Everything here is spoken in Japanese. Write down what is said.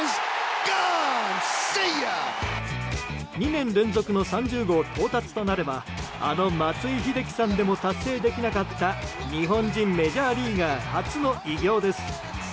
２年連続の３０号到達となればあの松井秀喜さんでも達成できなかった日本人メジャーリーガー初の偉業です。